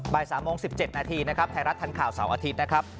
บ่าย๓โมง๑๗นาทีนะครับไทยรัฐทันข่าวเสาร์อาทิตย์นะครับ